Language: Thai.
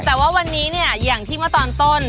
แต่ว่าวันนี้อย่างที่มาตอนต้น